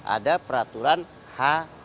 ada peraturan h sembilan